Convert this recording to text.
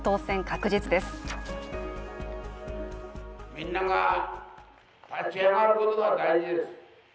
みんなが立ち上がることが大事です。